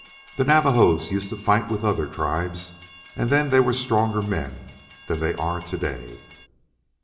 The Navajos used to fight with other tribes, and then they were stronger men than they are to day.